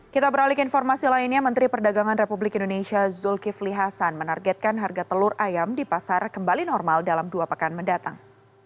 kita beralih ke informasi lainnya menteri perdagangan republik indonesia zulkifli hasan menargetkan harga telur ayam di pasar kembali normal dalam dua pekan mendatang